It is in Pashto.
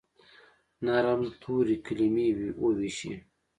نرم توري، کلیمې وویشي